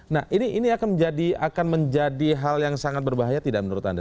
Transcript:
nah ini akan menjadi hal yang sangat berbahaya tidak menurut anda